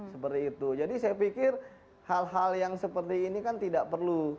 seperti itu jadi saya pikir hal hal yang seperti ini kan tidak perlu